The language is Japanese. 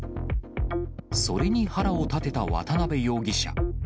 それに腹を立てた渡辺容疑者。